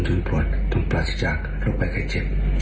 ชุดโปลดตรงประสิทธิรักษณ์โรคแปดไคร่เจ็บ